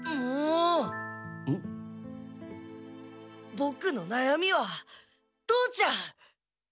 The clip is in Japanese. ボクのなやみは父ちゃん！